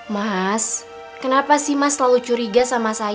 mas kenapa sih mas selalu curiga sama saya